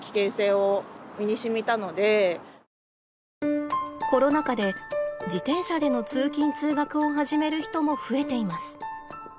本当にコロナ禍で自転車での通勤・通学を始める人も増えています。